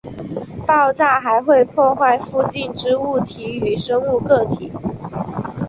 爆炸还会破坏附近之物体与生物个体。